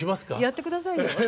やってくださいよ。